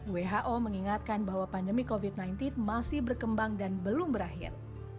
who mengingatkan bahwa pandemi covid sembilan belas masih berkembang dan belum berakhir